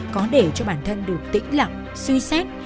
có để cho bản thân được tĩnh lặng suy xét